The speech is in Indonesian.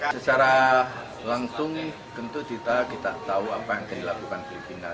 secara langsung tentu kita tahu apa yang terlakukan filipina